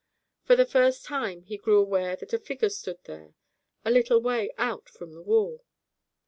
For the first time he grew aware that a figure stood there, a little way out from the wall.